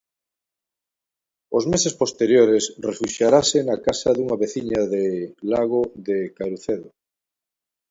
Os meses posteriores refuxiarase na casa dunha veciña de Lago de Carucedo.